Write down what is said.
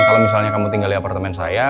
kalau misalnya kamu tinggal di apartemen saya